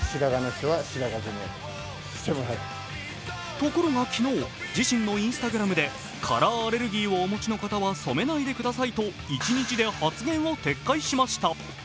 ところが昨日、自身のＩｎｓｔａｇｒａｍでカラーアレルギーをお持ちの方は染めないでくださいと一日で発言を撤回しました。